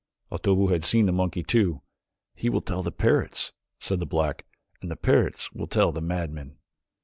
Otobu had seen the monkey too. "He will tell the parrots," said the black, "and the parrots will tell the madmen."